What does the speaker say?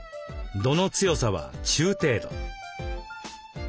度の強さは中程度。